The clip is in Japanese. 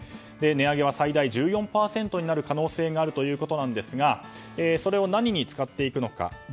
値上げは最大１４％になる可能性があるということですがそれは何に使っていくのか。